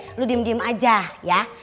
oke lu diem diem aja ya